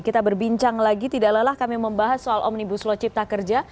kita berbincang lagi tidak lelah kami membahas soal omnibus law cipta kerja